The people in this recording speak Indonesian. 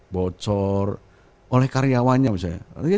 bocor oleh karyawannya misalnya